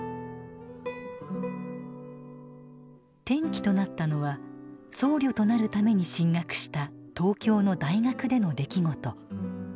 転機となったのは僧侶となるために進学した東京の大学での出来事。